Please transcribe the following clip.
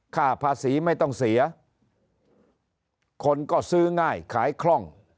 ค่าภาษีไม่ต้องเสียคนก็ซื้อง่ายขายคล่อง